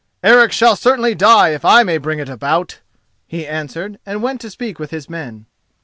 "Eric shall certainly die if I may bring it about," he answered, and went to speak with his men.